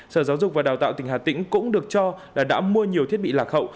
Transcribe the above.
sở giáo dục và đào tạo tỉnh hà tĩnh cũng được cho là đã mua nhiều thiết bị lạc hậu